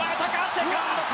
セカンドか。